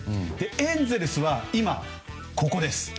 エンゼルスは今、４位です。